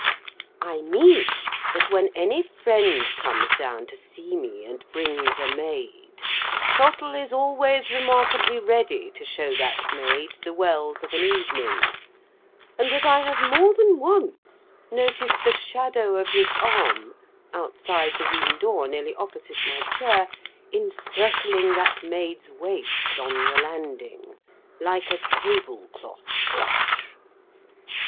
I mean, that when any friend comes down to see me and brings a maid, Trottle is always remarkably ready to show that maid the Wells of an evening; and that I have more than once noticed the shadow of his arm, outside the room door nearly opposite my chair, encircling that maid's waist on the landing, like a table cloth brush.